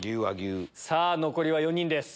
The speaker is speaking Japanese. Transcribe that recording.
残りは４人です。